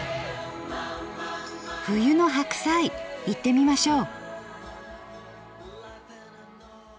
冬の白菜いってみましょう。